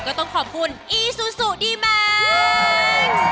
ก็ต้องขอบคุณอีซูซูดีแมน